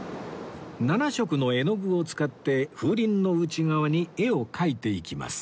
７色の絵の具を使って風鈴の内側に絵を描いていきます